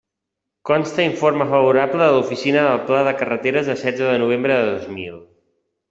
Consta informe favorable de l'Oficina del Pla de Carreteres de setze de novembre de dos mil.